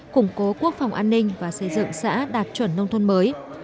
củng cố quốc phòng an ninh và xây dựng xã đạt chuẩn nông thôn mới